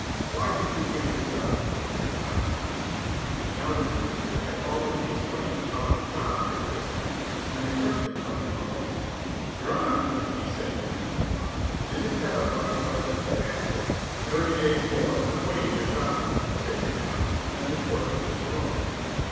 "Why did you quit your job?" his Honor asked. Now the teamster had already explained how his job had quit him, and the question took him aback. "Your Honor," he began confusedly, "isn't that a funny question to ask?" "Thirty days more for quitting your job," said his Honor, and the court was closed.